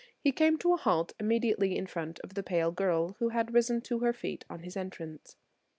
He came to a halt immediately in front of the pale girl, who had risen to her feet on his entrance.